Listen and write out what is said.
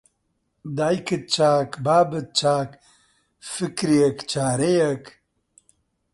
دایکت چاک، بابت چاک، فکرێک، چارەیەک